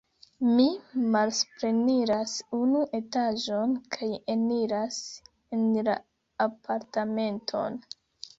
Mi malsupreniras unu etaĝon kaj eniras en la apartamenton.